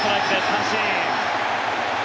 三振。